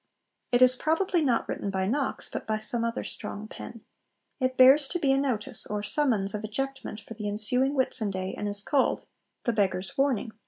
It is probably not written by Knox, but by some other strong pen. It bears to be a notice or 'summons' of ejectment for the ensuing Whitsunday, and is called THE BEGGARS' WARNING.